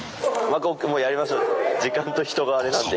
時間と人があれなんで。